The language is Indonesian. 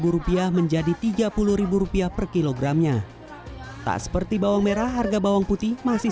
rp dua puluh menjadi rp tiga puluh per kilogramnya tak seperti bawang merah harga bawang putih masih